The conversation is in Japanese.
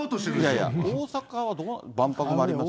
いやいや、大阪はどう、万博もありますし。